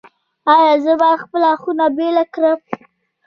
ایا زه باید خپله خونه بیله کړم؟